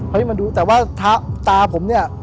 มาดูแต่ว่าตาผมเนี่ย